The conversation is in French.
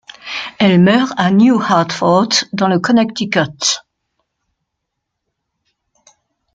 Elle meurt à New Hartford dans le Connecticut.